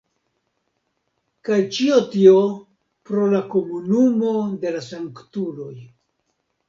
Kaj ĉio tio pro Komunumo de la Sanktuloj.